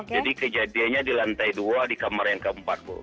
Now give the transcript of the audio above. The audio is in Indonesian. jadi kejadiannya di lantai dua di kamar yang keempat bu